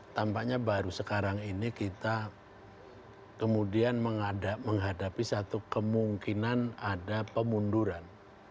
tampaknya baru sekarang ini kita kemudian menghadapi satu kemungkinan ada pemunduran